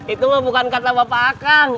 itu bukan kata bapak kang